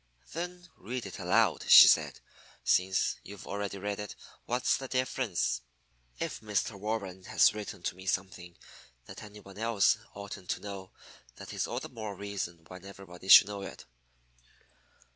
"Then read it aloud," she said. "Since you've already read it, what's the difference? If Mr. Warren has written to me something that any one else oughtn't to know, that is all the more reason why everybody should know it."